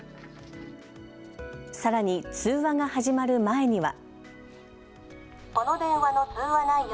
さらに、通話が始まる前には。